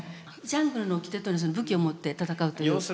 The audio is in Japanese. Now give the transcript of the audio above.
「ジャングルの掟」っていうのは武器を持って戦うということ。